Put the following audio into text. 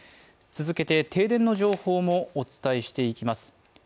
続けて停電の情報もお伝えしていきます。